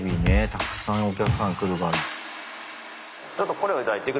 たくさんお客さん来るから。